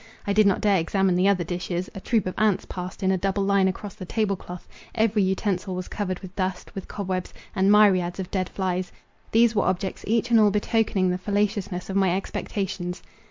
I did not dare examine the other dishes; a troop of ants passed in a double line across the table cloth; every utensil was covered with dust, with cobwebs, and myriads of dead flies: these were objects each and all betokening the fallaciousness of my expectations.